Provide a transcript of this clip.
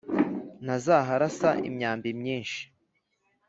ntazaharasa imyambi myinshi,